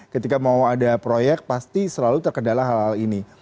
ketika mau ada proyek pasti selalu terkendala hal hal ini